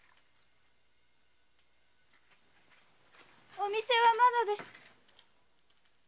お店はまだです。